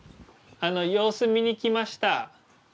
様子見に来ました。